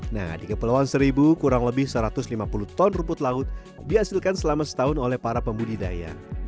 nah di kepulauan seribu kurang lebih satu ratus lima puluh ton rumput laut dihasilkan selama setahun oleh para pembudidaya